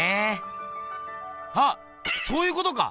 あっそういうことか！